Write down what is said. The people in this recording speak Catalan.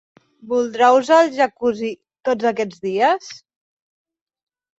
Voldrà usar el jacuzzi tots aquests dies?